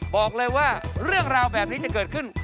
บอกเลยว่าเรื่องราวแบบนี้จะเกิดขึ้น